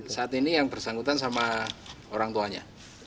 saat ini yang bersangkutan sama orang tuanya